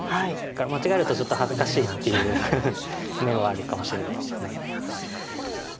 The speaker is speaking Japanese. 間違えるとちょっと恥ずかしいっていう面はあるかもしれないです。